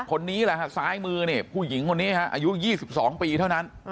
คนนี้แหละฮะซ้ายมือเนี่ยผู้หญิงคนนี้ฮะอายุ๒๒ปีเท่านั้น